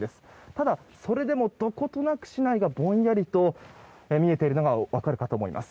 ただ、それでもどことなく市内がぼんやり見えているのが分かるかと思います。